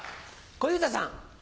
小遊三さん。